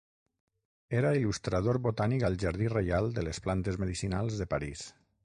Era il·lustrador botànic al Jardí Reial de les Plantes Medicinals de París.